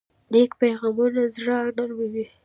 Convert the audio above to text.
نیک پیغامونه زړونه نرموي.